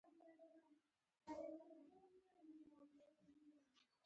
زیرکي ګټور دی.